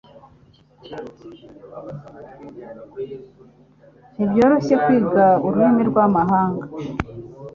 Ntibyoroshye kwiga ururimi rwamahanga